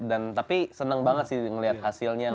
dan tapi senang banget sih ngelihat hasilnya